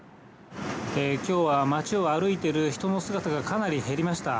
きょうは街を歩いている人の姿がかなり減りました。